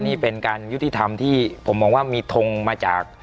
นี่เป็นการยุติธรรมที่ผมมองว่ามีทงมาจาก